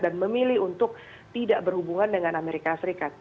dan memilih untuk tidak berhubungan dengan amerika serikat